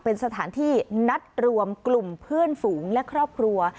เป็นสถานที่นัดรวมกลุ่มเพื่อนฝูงและครอบครัว